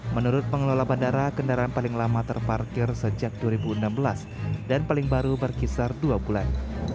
menurut pengelola bandara kendaraan paling lama terparkir sejak dua ribu enam belas dan paling baru berkisar dua bulan